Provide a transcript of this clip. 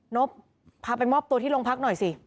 นบพาไปมอบตัวที่โรงพักหน่อยสิ